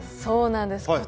そうなんです。